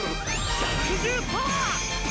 百獣パワー！